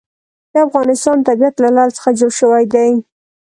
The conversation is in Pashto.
د افغانستان طبیعت له لعل څخه جوړ شوی دی.